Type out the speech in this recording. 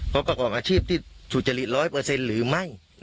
พบกระกอบอาชีพที่สุจริย์๑๐๐หรือไม่